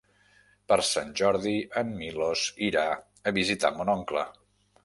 Per Sant Jordi en Milos irà a visitar mon oncle.